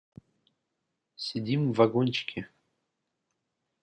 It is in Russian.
Сидим в вагончике.